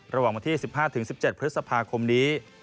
ระหว่างวันที่สิบห้าถึงสิบเจ็ดพฤษภาคมนี้